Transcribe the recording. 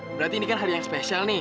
berarti ini kan hari yang spesial nih